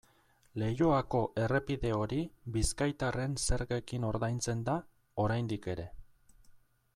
Leioako errepide hori bizkaitarren zergekin ordaintzen da, oraindik ere.